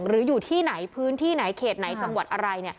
อยู่ที่ไหนพื้นที่ไหนเขตไหนจังหวัดอะไร